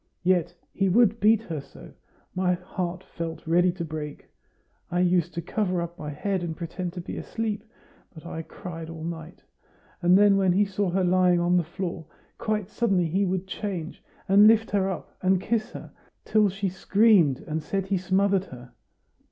Yet he would beat her so, my heart felt ready to break. I used to cover up my head and pretend to be asleep, but I cried all night. And then, when he saw her lying on the floor, quite suddenly he would change, and lift her up and kiss her, till she screamed and said he smothered her.